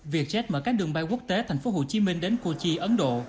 việc chết mở các đường bay quốc tế thành phố hồ chí minh đến cô chi ấn độ